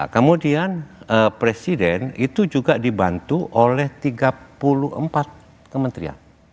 kemudian presiden itu juga dibantu oleh tiga puluh empat kementerian